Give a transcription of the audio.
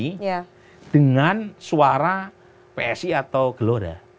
berarti itu kan suara psi atau gelora